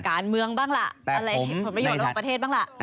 การเมืองบ้างล่ะอะไรผลประโยชนระหว่างประเทศบ้างล่ะ